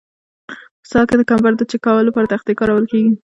په ساحه کې د کمبر د چک کولو لپاره تختې کارول کیږي